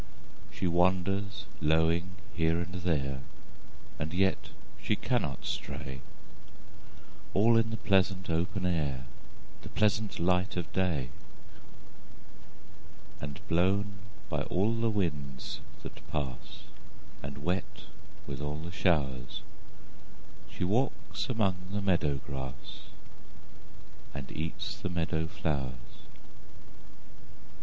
She wanders lowing here and there, And yet she cannot stray, All in the pleasant open air, The pleasant light of day; And blown by all the winds that pass And wet with all the showers, She walks among the meadow grass And eats the meadow flowers.